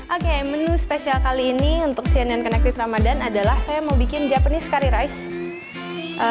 oke menu spesial kali ini untuk cnn connected ramadhan adalah saya mau bikin japanese curry rice